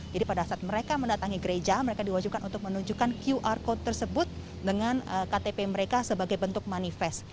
jadi pada saat mereka mendatangi gereja mereka diwajibkan untuk menunjukkan qr code tersebut dengan ktp mereka sebagai bentuk manifest